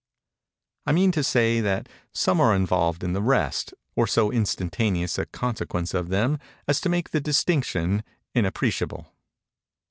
I mean to say that some are involved in the rest, or so instantaneous a consequence of them as to make the distinction inappreciable.